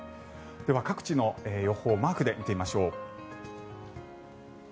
では、各地の予報をマークで見てみましょう。